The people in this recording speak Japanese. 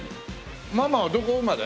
ママはどこ生まれ？